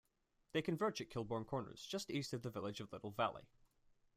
They converge at Killborn Corners just east of the village of Little Valley.